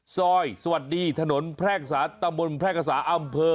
สวัสดีถนนแพรกษาตำบลแพร่กษาอำเภอ